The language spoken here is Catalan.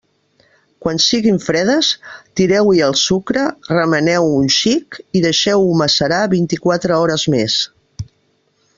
Quan siguin fredes, tireu-hi el sucre, remeneu-ho un xic i deixeu-ho macerar vint-i-quatre hores més.